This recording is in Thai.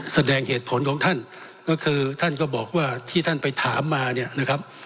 แสดงเหตุผลของท่านก็คือท่านก็บอกว่าที่ท่านไปถามมาเนี่ยนะครับ